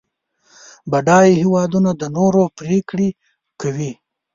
بډایه هېوادونه د نورو پرېکړې کوي.